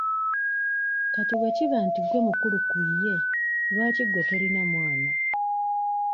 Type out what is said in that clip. Kati bwe kiba nti gwe mukulu ku ye, lwaki gwe tolina mwana?